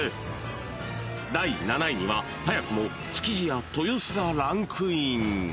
［第７位には早くも築地や豊洲がランクイン］